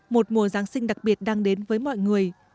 một mùa giáng sinh đặc biệt đang đến với mọi người